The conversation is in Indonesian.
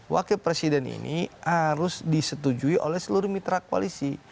wakil presiden ini harus disetujui oleh seluruh mitra koalisi